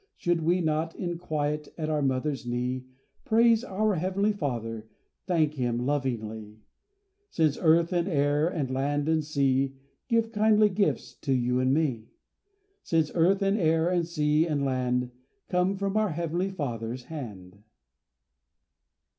Should we not, in quiet, At our mother's knee, Praise our Heavenly Father, Thank Him lovingly,— Since earth and air, and land and sea Give kindly gifts to you and me? Since earth and air, and sea and land, Come from our Heavenly Father's hand?